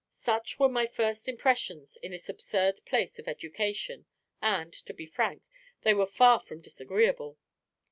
Such were my first impressions in this absurd place of education; and, to be frank, they were far from disagreeable.